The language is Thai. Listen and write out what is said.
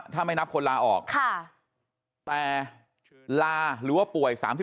ถ้าไม่นับคนลาออกแต่ลาหรือว่าป่วย๓๔